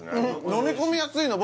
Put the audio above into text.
飲み込みやすいの？